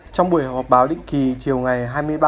trong buổi họp báo định kỳ chiều ngày